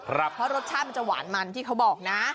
เพราะรสชาติมันจะหวานมันที่เขาบอกนะ